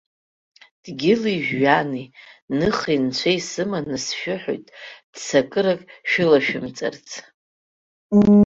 Дгьыли-жәҩани ныхеи-нцәеи сыманы сшәыҳәоит, ццакырак шәылашәымҵарц!